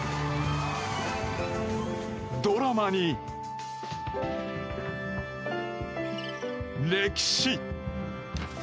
ドラマに歴史。